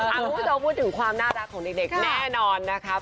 คุณผู้ชมพูดถึงความน่ารักของเด็กแน่นอนนะครับ